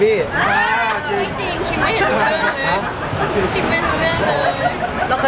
ไม่ได้เจอในคุณหรอก